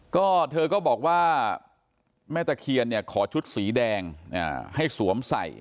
ก็เธอก็บอกว่าแม่ตะเคียนเนี่ยขอชุดสีแดงให้สวมใส่